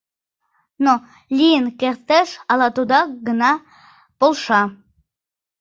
Но лийын кертеш, ала тудак гына полша...